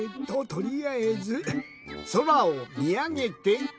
とりあえずそらをみあげて。